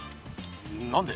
何で？